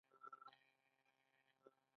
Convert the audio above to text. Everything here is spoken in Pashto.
آیا د ایران راډیو او تلویزیون دولتي نه دي؟